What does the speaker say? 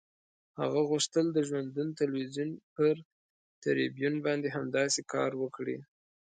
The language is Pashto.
هغه غوښتل د ژوندون تلویزیون پر تریبیون باندې همداسې کار وکړي.